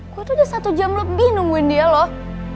aku tuh udah satu jam lebih nungguin dia loh